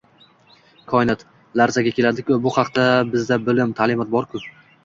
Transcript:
– Koinot – larzaga keladi-ku! Bu haqda bizda bilim – ta’limot bor-ku!